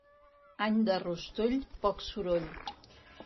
Any de rostoll, poc soroll.